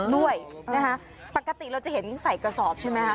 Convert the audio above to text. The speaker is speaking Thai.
ด้วยนะคะปกติเราจะเห็นใส่กระสอบใช่ไหมคะ